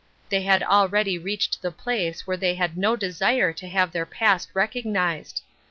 They had already reached the place where they had no desire to have their past recognized.